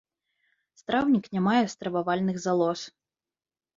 Страўнік не мае стрававальных залоз.